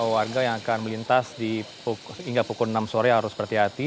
warga yang akan melintas hingga pukul enam sore harus berhati hati